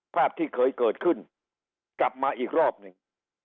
ภาพที่เคยเกิดขึ้นกลับมาอีกรอบหนึ่ง